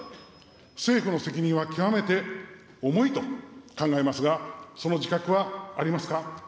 政府の責任は極めて重いと考えますが、その自覚はありますか。